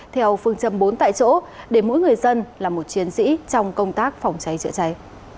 theo phương châm bốn tại chỗ để mỗi người dân là một chiến sĩ trong công tác phòng cháy chữa cháy